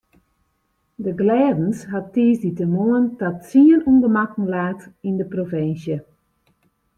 De glêdens hat tiissdeitemoarn ta tsien ûngemakken laat yn de provinsje.